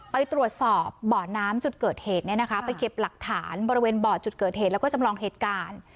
ไปตรวจสอบบ่อน้ำจุดเกิดเหตุเนี่ยนะคะไปเก็บหลักฐานบริเวณบ่อจุดเกิดเหตุแล้วก็จำลองเหตุการณ์